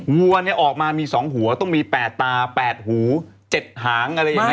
วัวเนี่ยออกมามีสองหัวต้องมีแปดตาแปดหูเจ็ดหางอะไรอย่างนี้